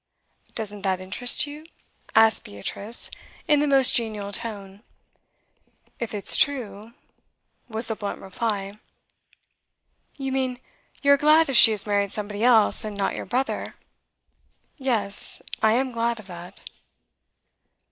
'Doesn't that interest you?' asked Beatrice, in the most genial tone. 'If it's true,' was the blunt reply. 'You mean, you are glad if she has married somebody else, and not your brother?' 'Yes, I am glad of that.